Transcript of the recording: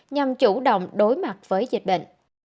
nhằm chủ động đối mặt với dịch bệnh